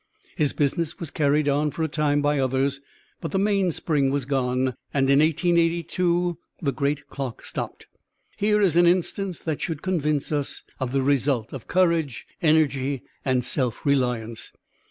His business was carried on, for a time, by others, but the mainspring was gone, and in 1882 the great clock stopped. Here is an instance that should convince us of the result of courage, energy, and self reliance.